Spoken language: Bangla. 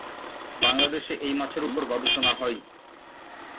বাংলাদেশে এই মাছের উপর গবেষণা হয়নি।